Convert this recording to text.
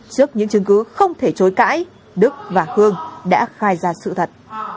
trước những chứng cứ không thể chối cãi đức và hương đã khai ra sự thật